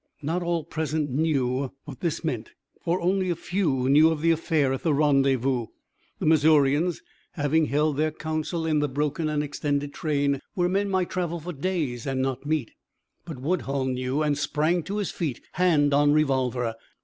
Not all present knew what this meant, for only a few knew of the affair at the rendezvous, the Missourians having held their counsel in the broken and extended train, where men might travel for days and not meet. But Woodhull knew, and sprang to his feet, hand on revolver.